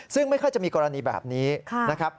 ซึ่งไม่ค่อยจะมีกรณีแบบนี้นะครับ